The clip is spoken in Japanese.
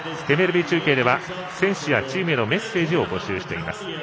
ＭＬＢ中継では選手やチームのメッセージを募集しています。